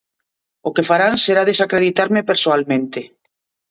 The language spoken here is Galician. O que farán será desacreditarme persoalmente.